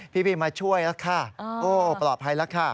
พี่มาช่วยแล้วค่ะโอ้ปลอดภัยแล้วค่ะ